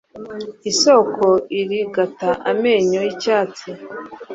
isoko irigata amenyo yicyatsi